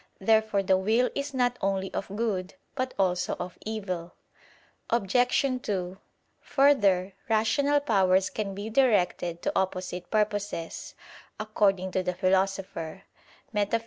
Therefore the will is not only of good, but also of evil. Obj. 2: Further, rational powers can be directed to opposite purposes, according to the Philosopher (Metaph.